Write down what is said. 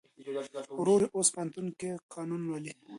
ورور یې اوس پوهنتون کې قانون لولي.